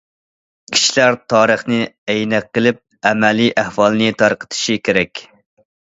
كىشىلەر تارىخنى ئەينەك قىلىپ، ئەمەلىي ئەھۋالنى تارقىتىشى كېرەك.